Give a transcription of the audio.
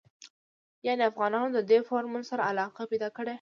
يانې افغانانو ددې فارمولې سره علاقه پيدا کړې.